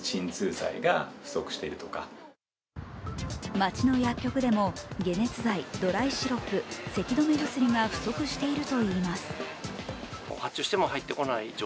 街の薬局でも解熱剤、ドライシロップ、せき止め薬が不足しているといいます。